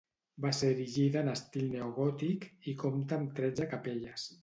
Va ser erigida en estil neogòtic, i compta amb tretze capelles.